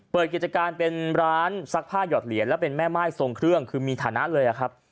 เปิดกิจการเป็นร้านซักผ้าหยอดเหรียญและเป็นแม่ม่ายทรงเครื่องคือมีฐานะเลยครับ